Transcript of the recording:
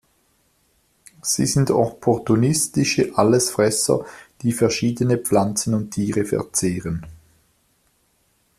Sie sind opportunistische Allesfresser, die verschiedene Pflanzen und Tiere verzehren.